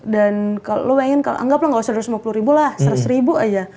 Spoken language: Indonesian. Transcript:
dan kalau lo mau anggaplah gak usah rp dua ratus lima puluh lah rp seratus aja